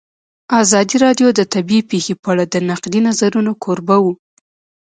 ازادي راډیو د طبیعي پېښې په اړه د نقدي نظرونو کوربه وه.